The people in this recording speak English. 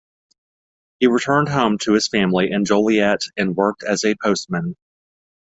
He returned home to his family in Joliet and worked as a postman.